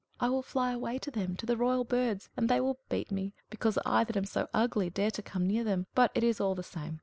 "I will fly away to them, to the royal birds, and they will beat me, because I, that am so ugly, dare to come near them. But it is all the same.